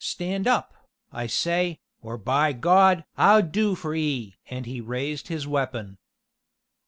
stand up, I say, or by God! I'll do for 'ee!" and he raised his weapon.